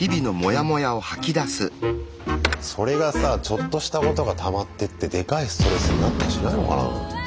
それがさちょっとしたことがたまってってでかいストレスになったりしないのかな？